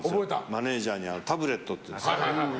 マネジャーにタブレットっていうんですかね。